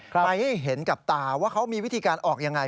ไปให้เห็นกับตาว่าเขามีวิธีการออกยังไง